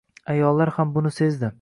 Ayol ham buni sezdi